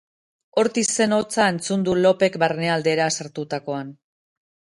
Ortizen hotsa entzun du Lopek barnealdera sartutakoan.